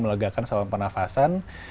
melegakan soal pernafasan